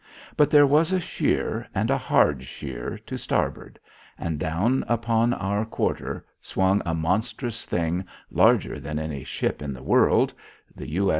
But there was a sheer and a hard sheer to starboard, and down upon our quarter swung a monstrous thing larger than any ship in the world the U.